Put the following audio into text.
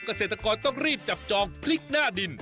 เกษตรกรต้องรีบจับจองพลิกหน้าดิน